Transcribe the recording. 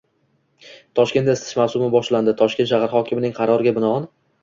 Toshkentda isitish mavsumi boshlandi Toshkent shahar hokimining qaroriga binoan